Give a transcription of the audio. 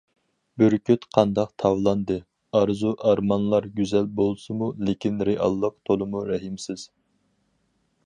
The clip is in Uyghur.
بۈركۈت قانداق تاۋلاندى؟« ئارزۇ- ئارمانلار گۈزەل بولسىمۇ، لېكىن رېئاللىق تولىمۇ رەھىمسىز».